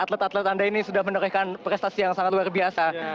atlet atlet anda ini sudah menorehkan prestasi yang sangat luar biasa